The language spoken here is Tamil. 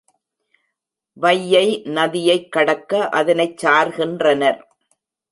வையை நதியைக் கடக்க அதனைச் சார்கின்றனர்.